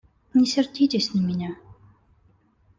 Не сердитесь на меня.